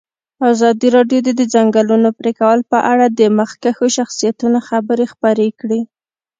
ازادي راډیو د د ځنګلونو پرېکول په اړه د مخکښو شخصیتونو خبرې خپرې کړي.